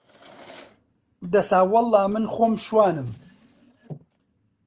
دەسا وەڵڵا من خۆم شوانم